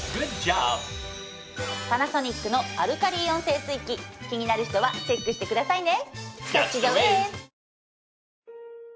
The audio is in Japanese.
パナソニックのアルカリイオン整水器気になる人はチェックしてくださいね！